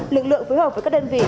lực lượng phối hợp với các đơn vị